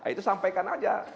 itu sampaikan saja